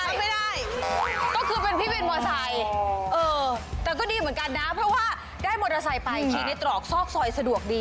ไม่ได้ก็คือเป็นพี่วินมอไซค์เออแต่ก็ดีเหมือนกันนะเพราะว่าได้มอเตอร์ไซค์ไปขี่ในตรอกซอกซอยสะดวกดี